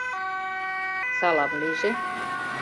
— Салам лийже.